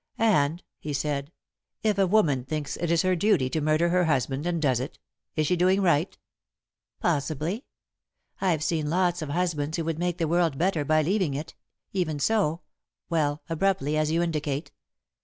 "And," he said, "if a woman thinks it is her duty to murder her husband, and does it, is she doing right?" "Possibly. I've seen lots of husbands who would make the world better by leaving it, even so well, abruptly, as you indicate.